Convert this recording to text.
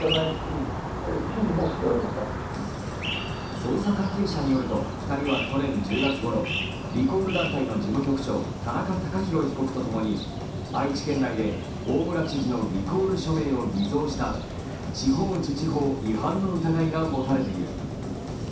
捜査関係者によると２人は去年１０月ごろ、リコール団体の事務局長田中孝博被告とともに愛知県内で大村知事のリコール署名を偽造した地方自治法違反の疑いが持たれている。